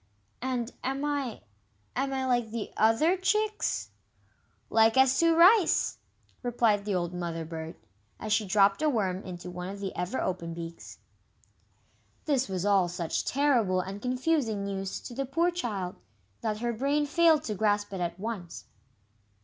"And am I am I like the other chicks?" "Like as two rice!" replied the old Mother bird, as she dropped a worm into one of the ever open beaks. This was all such terrible and confusing news to the poor child, that her brain failed to grasp it at once.